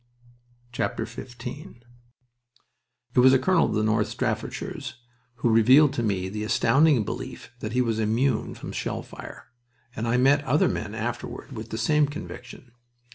XV It was a colonel of the North Staffordshires who revealed to me the astounding belief that he was "immune" from shell fire, and I met other men afterward with the same conviction.